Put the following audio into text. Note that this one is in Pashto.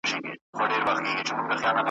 ګړندي مي دي ګامونه، زه سرلارې د کاروان یم ,